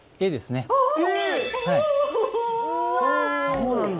そうなんだ